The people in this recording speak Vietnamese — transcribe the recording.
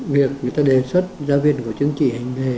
việc người ta đề xuất giáo viên có chứng chỉ hành nghề